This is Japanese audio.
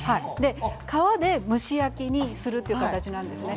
皮で蒸し焼きにするという形なんですね。